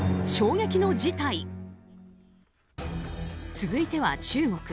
続いては中国。